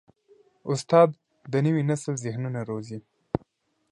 استاد د نوي نسل ذهنونه روزي.